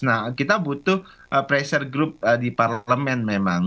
nah kita butuh pressure group di parlemen memang